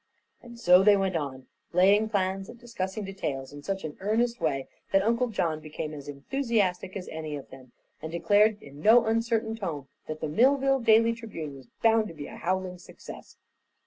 And so they went on, laying plans and discussing details in such an earnest way that Uncle John became as enthusiastic as any of them and declared in no uncertain tone that the Millville Daily Tribune was bound to be a "howling success."